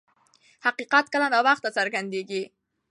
حقیقت کله ناوخته څرګندیږي.